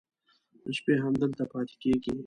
د شپې هم دلته پاتې کېږي.